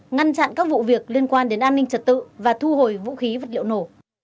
ngăn chặn các vụ việc liên quan đến an ninh trật tự và thu hồi vũ khí vật liệu nổ